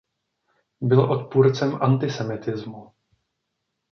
Byl odpůrcem antisemitismu.